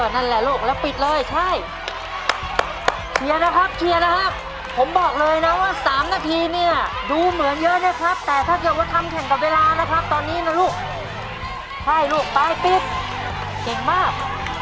นั่นแหละลูกแล้วปิดเลยใช่เชียร์นะครับเชียร์นะครับผมบอกเลยนะว่า๓นาทีเนี่ยดูเหมือนเยอะนะครับแต่ถ้าเกิดว่าทำแข่งกับเวลานะครับตอนนี้นะลูกใช่ลูกปลายปิดเก่งมาก